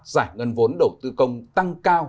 giải ngân vốn đầu tư công tăng cao